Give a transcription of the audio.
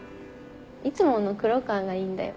いつもの黒川がいいんだよ。